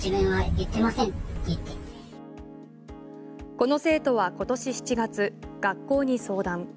この生徒は今年７月学校に相談。